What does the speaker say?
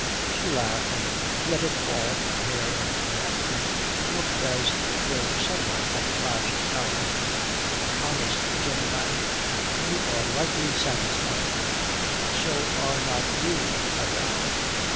She laughed, and let it fall from hair and neck, and looked as though sunlight had flashed out at her. "Honest gentleman, you are lightly satisfied." "So are not you, I vow."